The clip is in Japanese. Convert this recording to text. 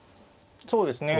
そうですね。